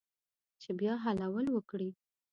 چې بیا حلول وکړي